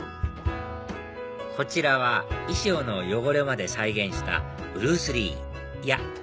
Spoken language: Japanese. こちらは衣装の汚れまで再現したブルース・リーいや